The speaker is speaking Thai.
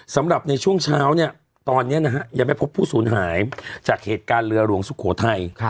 สำหรับในช่วงเช้าเนี่ยตอนนี้นะฮะยังไม่พบผู้สูญหายจากเหตุการณ์เรือหลวงสุโขทัย